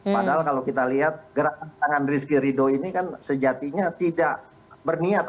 padahal kalau kita lihat gerakan tangan rizky ridho ini kan sejatinya tidak berniat